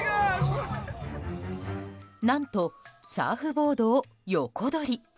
何とサーフボードを横取り。